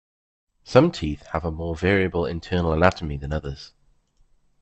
Some teeth have a more variable internal anatomy than others.